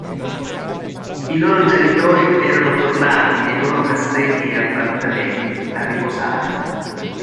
I loro genitori erano tornati nei loro castelli e appartamenti, a riposare.